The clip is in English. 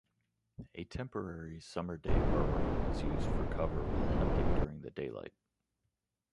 A temporary, summer day burrow is used for cover while hunting during the daylight.